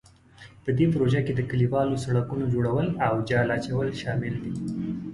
په دې پروژو کې د کلیوالي سړکونو جوړول او جغل اچول شامل دي.